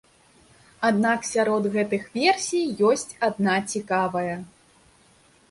Аднак сярод гэтых версій ёсць адна цікавая.